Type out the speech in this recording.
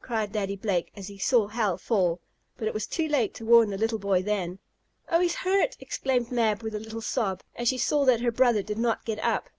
cried Daddy Blake, as he saw Hal fall. But it was too late to warn the little boy then. "Oh, he's hurt!" exclaimed Mab with a little sob, as she saw that her brother did not get up.